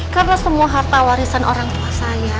karena semua harta warisan orang tua saya